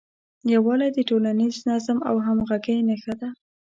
یووالی د ټولنیز نظم او همغږۍ نښه ده.